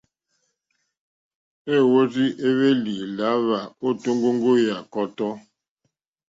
Èwɔ́rzì èhwélì lǎhwà ô tóŋgóŋgó yà kɔ́tɔ́.